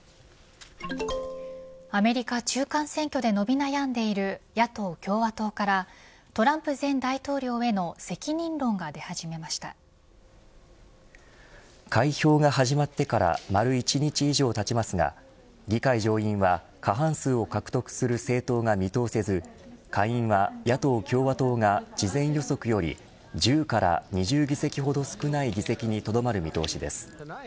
アメリカ中間選挙で伸び悩んでいる野党・共和党からトランプ前大統領への開票が始まってから丸１日以上たちますが議会上院は過半数を獲得する政党が見通せず下院は野党・共和党が事前予測より１０から２０議席ほど少ない議席にとどまる見通しです。